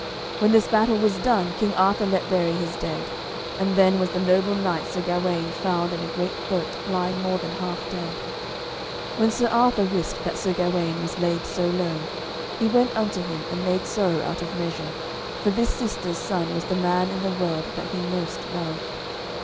When this battle was done, King Arthur let bury his dead, and then was the noble knight Sir Gawaine found in a great boat lying more than half dead. When Sir Arthur wist that Sir Gawaine was laid so low, he went unto him and made sorrow out of measure, for this sister's son was the man in the world that he most loved.